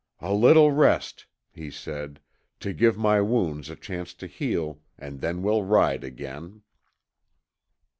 "A little rest," he said, "to give my wounds a chance to heal, and then we'll ride again!"